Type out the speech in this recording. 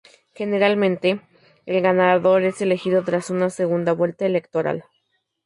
Generalmente, el ganador es elegido tras una segunda vuelta electoral.